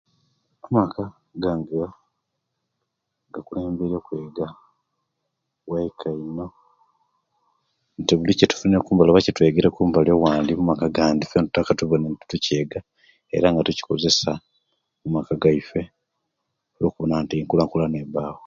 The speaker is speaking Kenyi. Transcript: Amaka gange gakulemberye okwega owaika ino nti buli ekitufunire okumbakli oba ekitwegere okumbali owandi omaka gandi fuena tutaka kuciywga nga tukikozesa mumaka gaifuwe lwokubona nti enkula kulana ebawo